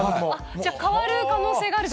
じゃあ変わる可能性があると